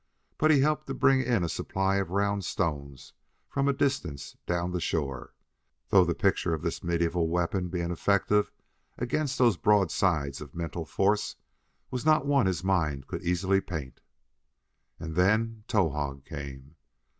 But he helped to bring in a supply of round stones from a distance down the shore, though the picture of this medieval weapon being effective against those broadsides of mental force was not one his mind could easily paint. And then Towahg came!